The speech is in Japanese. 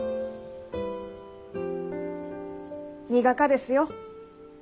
苦かですよ。